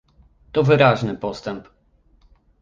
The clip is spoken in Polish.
To wyraźny postęp